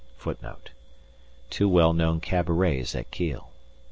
[Footnote 1: Two well known cabarets at Kiel.